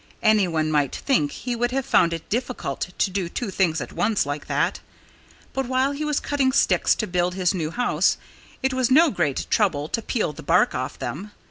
Anyone might think he would have found it difficult to do two things at once like that. But while he was cutting sticks to build his new house it was no great trouble to peel the bark off them.